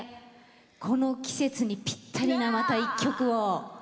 この季節にぴったりなまた一曲を。